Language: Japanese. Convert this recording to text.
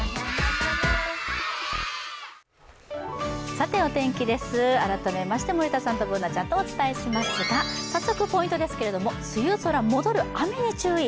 さて、お天気です、改めまして森田さんとＢｏｏｎａちゃんとお伝えしますが、早速ポイントですけども、梅雨空戻る雨に注意。